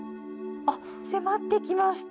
迫ってきました。